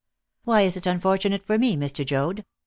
"Why was it unfortunate for me, Mr. Joad?"